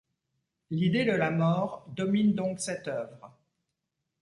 L'idée de la mort domine donc cette œuvre.